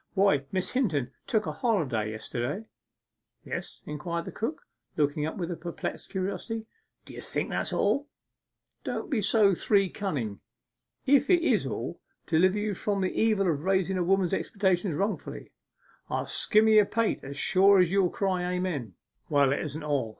Why, Miss Hinton took a holiday yesterday.' 'Yes?' inquired the cook, looking up with perplexed curiosity. 'D'ye think that's all?' 'Don't be so three cunning if it is all, deliver you from the evil of raising a woman's expectations wrongfully; I'll skimmer your pate as sure as you cry Amen!' 'Well, it isn't all.